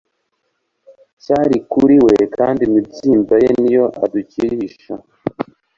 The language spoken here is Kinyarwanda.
cyari kuri we kandi imibyimba ye ni yo adukirisha.